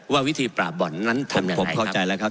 ว่าวิธีปราบบ่อนนั้นทำอย่างไรครับ